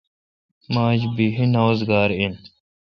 مہ آج بیہی نا اوزگار این